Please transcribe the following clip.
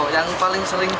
yang paling sering di